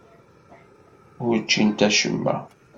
Ur ččint acemma.